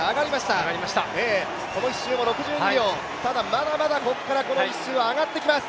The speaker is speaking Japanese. まだまだここから、この１周上がってきます。